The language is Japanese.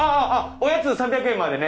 おやつ３００円までね！